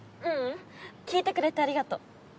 ううん聞いてくれてありがとう。